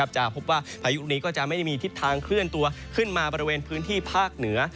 จะพบว่าพายุนี้ก็จะไม่ได้มีทิศทางเคลื่อนตัวขึ้นมาบริเวณพื้นที่ภาคเหนือ